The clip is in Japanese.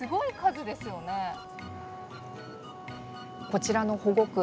こちらの保護区